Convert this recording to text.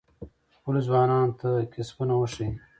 خپلو ځوانانو ته کسبونه وښایئ.